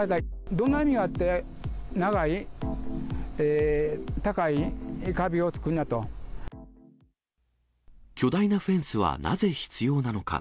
どんな意味があって、巨大なフェンスはなぜ必要なのか。